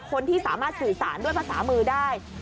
คนที่สามารถสื่อสารด้วยภาษามือได้